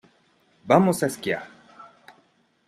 Vamos a esquiar.